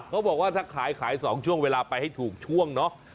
เขาบอกว่าถ้าขายขาย๒ช่วงเวลาไปให้ถูกช่วงเนาะ